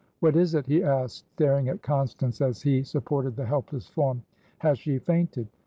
"What is it?" he asked, staring at Constance as he supported the helpless form. "Has she fainted?"